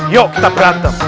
yuk kita berantem